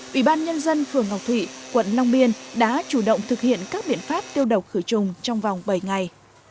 ủy ban nhân dân phường ngọc thụy quận long biên đã chủ động thực hiện các biện pháp tiêu độc khử trùng trong vòng bảy ngày